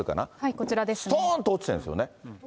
すとーんと落ちてるんですよね。